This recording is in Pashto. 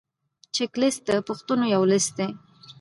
چک لیست د پوښتنو یو لیست دی.